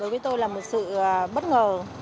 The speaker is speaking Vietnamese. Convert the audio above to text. với tôi là một sự bổng